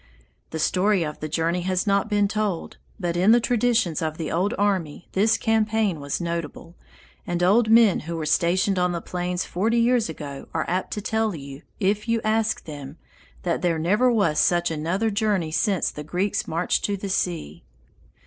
The story of the journey has not been told, but in the traditions of the old army this campaign was notable, and old men who were stationed on the plains forty years ago are apt to tell you, if you ask them, that there never was such another journey since the Greeks marched to the sea....